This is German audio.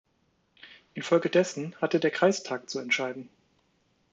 Infolgedessen hatte der Kreistag zu entscheiden.